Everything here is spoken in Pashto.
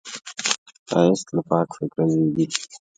ښایست له پاک فکره زېږي